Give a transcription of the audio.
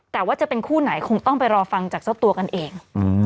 แต่ว่าจะเป็นคู่ไหนคงต้องไปรอฟังจากเจ้าตัวกันเอง